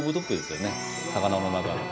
魚の中の。